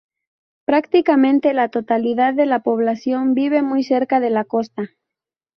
Prácticamente la totalidad de la población vive muy cerca de la costa.